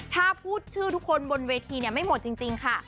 ถ้าพูดชื่อทุกคนบนเวทีไม่หมดจริงค่ะ